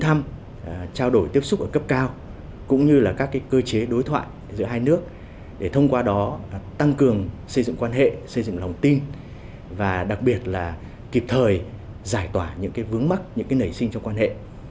tham gia các cơ hội trao đổi tiếp xúc ở cấp cao cũng như các cơ chế đối thoại giữa hai nước để thông qua đó tăng cường xây dựng quan hệ xây dựng lòng tin và đặc biệt là kịp thời giải tỏa những vướng mắc những nảy sinh trong quan hệ